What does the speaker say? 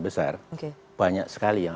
besar banyak sekali yang